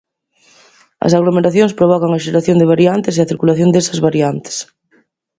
As aglomeracións provocan a xeración de variantes e a circulación desas variantes.